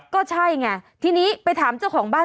ก็ใช่ไงทีนี้ไปถามเจ้าของบ้าน